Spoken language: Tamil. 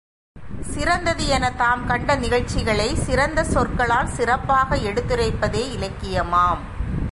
சிறந்தது எனத் தாம் கண்ட நிகழ்ச்சிகளைச் சிறந்த சொற்களால் சிறப்பாக எடுத்துரைப்பதே இலக்கியமாம்.